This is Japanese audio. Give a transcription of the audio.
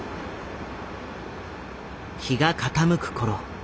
日が傾く頃。